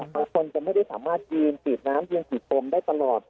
บางคนก็ไม่ได้สามารถยืนกลีบน้ำยืนกลีบกลมได้ตลอด